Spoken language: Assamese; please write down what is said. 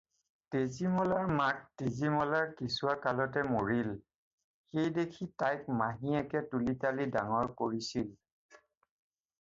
তেজীমলাৰ মাক তেজীমলাৰ কেঁচুৱা কালতে মৰিল, সেইদেখি তাইক মাহীয়েকে তুলিতালি ডাঙৰ কৰিছিল।